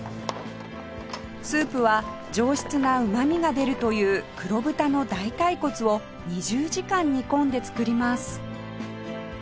スープは上質なうまみが出るという黒豚の大腿骨を２０時間煮込んで作ります